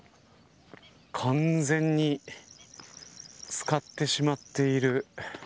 完全に漬かってしまっている。